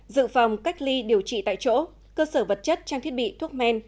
dự phòng cách ly điều trị tại chỗ cơ sở vật chất trang thiết bị thuốc men